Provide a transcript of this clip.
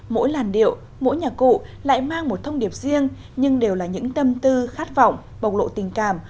mỗi làn điệu mỗi nhà cụ lại mang một thông điệp riêng nhưng đều là những tâm tư khát vọng bộc lộ tình cảm